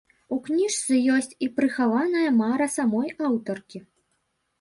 У кніжцы ёсць і прыхаваная мара самой аўтаркі.